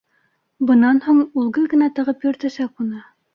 Бынан һуң ул гел генә тағып йөрөтәсәк уны.